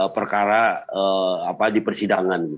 perkara apa di persidangan